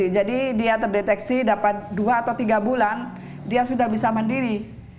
jadi dia terdeteksi dapat dua atau tiga bulan dia sudah bisa mandiri